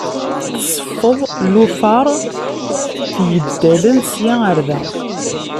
Tseffeḍ lufar t-yeddalen sya ɣer da.